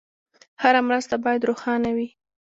هره مرسته باید روښانه وي.